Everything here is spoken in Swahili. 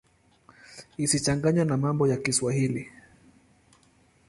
Isichanganywe na mambo ya Kiswahili.